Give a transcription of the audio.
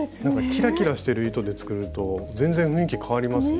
キラキラしてる糸で作ると全然雰囲気変わりますね。